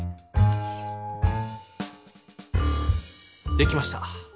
できました。